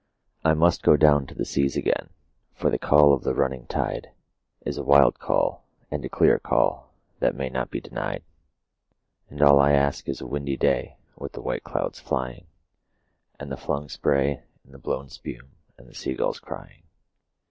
I must down go to the seas again, for the call of the running tide Is a wild call and a clear call that may not be denied; And all I ask is a windy day with the white clouds flying, And the flung spray and the blown spume, and the sea gulls crying.